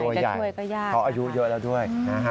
ตัวใหญ่เขาอายุเยอะแล้วด้วย